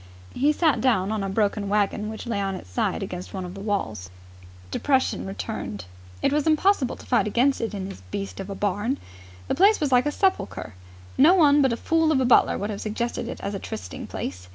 He sat down on a broken wagon which lay on its side against one of the walls. Depression returned. It was impossible to fight against it in this beast of a barn. The place was like a sepulchre. No one but a fool of a butler would have suggested it as a trysting place.